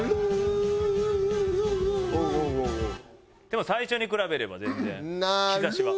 でも最初に比べれば全然兆しは。